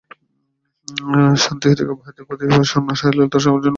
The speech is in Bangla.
শাস্তি থেকে অব্যাহতির প্রতি শূন্য সহনশীলতার সর্বজনীন প্রতিশ্রুতি অনুযায়ী পদক্ষেপ নিতে হবে।